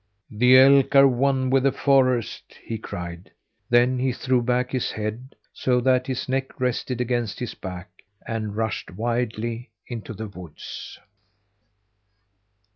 "The elk are one with the forest!" he cried. Then he threw back his head, so that his neck rested against his back, and rushed wildly into the woods.